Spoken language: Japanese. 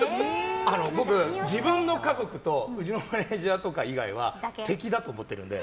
僕、自分の家族とうちのマネジャーとか以外は敵だと思ってるので。